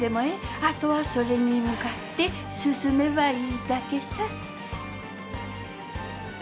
あとはそれに向かって進めばいいだけさ